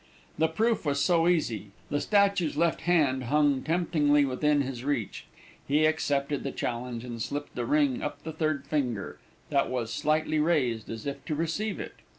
The proof was so easy, the statue's left hand hung temptingly within his reach; he accepted the challenge, and slipped the ring up the third finger, that was slightly raised as if to receive it.